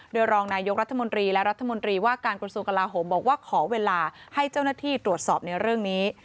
โดยรองนายกรัฐมนตรีและรัฐมนตรีว่าการกระทรวงกลาโหมบอกว่าขอเวลาให้เจ้าหน้าที่ตรวจสอบในเรื่องนี้